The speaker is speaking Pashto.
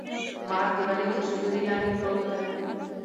مار د ونې تر سیوري لاندي پروت دی.